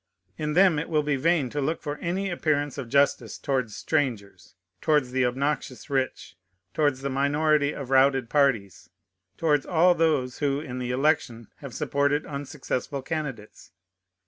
In them it will be vain to look for any appearance of justice towards strangers, towards the obnoxious rich, towards the minority of routed parties, towards all those who in the election have supported unsuccessful candidates.